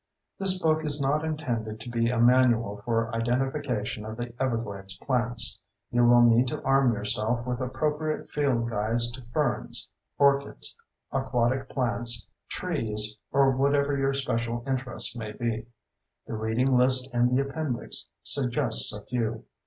This book is not intended to be a manual for identification of the Everglades plants. You will need to arm yourself with appropriate field guides to ferns, orchids, aquatic plants, trees, or whatever your special interest may be. The reading list in the appendix suggests a few.